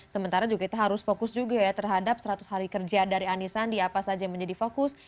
sementara juga kita harus fokus juga ya terhadap seratus hari kerja dari ani sandi apa saja yang menjadi fokus